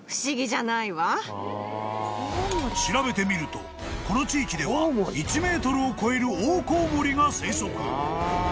［調べてみるとこの地域では１ｍを超えるオオコウモリが生息］